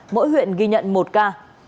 mỗi huyện ghi nhận một ca